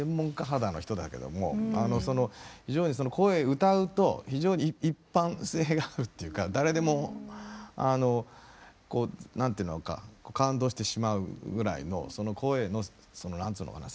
肌の人だけども非常にその声歌うと非常に一般性があるっていうか誰でもあのこう何ていうのか感動してしまうぐらいのその声の何つうのかな